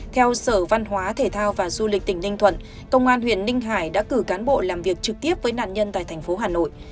theo sở văn hóa thể thao và du lịch tỉnh ninh thuận công an huyện ninh hải đã cử cán bộ làm việc trực tiếp với nạn nhân tại thành phố hà nội